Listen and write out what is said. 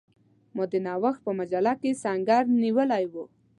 ما د نوښت په مجله کې سنګر نیولی وو.